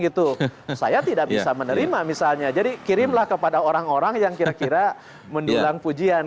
gitu saya tidak bisa menerima misalnya jadi kirimlah kepada orang orang yang kira kira mendulang pujian